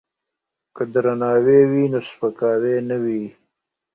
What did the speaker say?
که درناوی وي نو سپکاوی نه وي.